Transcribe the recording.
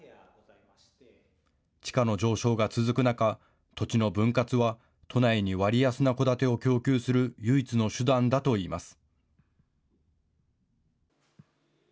地価の上昇が続く中、土地の分割は都内に割安な戸建てを供給する唯一の手段だといいます。